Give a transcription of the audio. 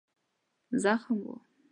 زخم و.